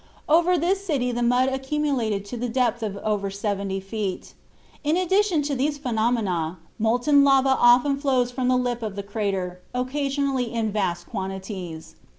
Over this city the mud accumulated to the depth of over 70 feet. In addition to these phenomena, molten lava often flows from the lip of the crater, occasionally in vast quantities.